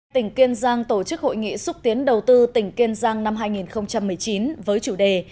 tỉnh kiên giang tổ chức hội nghị xúc tiến đầu tư tỉnh kiên giang năm hai nghìn một mươi chín với chủ đề